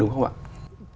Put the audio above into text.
đúng không ạ